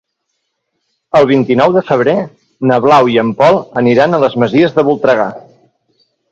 El vint-i-nou de febrer na Blau i en Pol aniran a les Masies de Voltregà.